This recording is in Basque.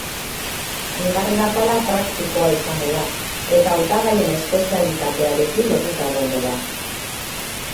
Bigarren atala praktikoa izango da, eta hautagaien espezialitatearekin lotuta egongo da.